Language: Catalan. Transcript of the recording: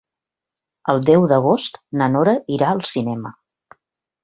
El deu d'agost na Nora irà al cinema.